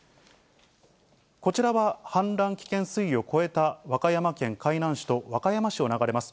こちらは氾濫危険水位を超えた和歌山県海南市と和歌山市を流れます